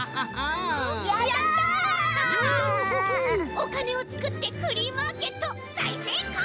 おかねをつくってフリーマーケットだいせいこう！